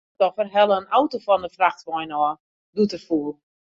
It slachtoffer helle in auto fan in frachtwein ôf, doe't er foel.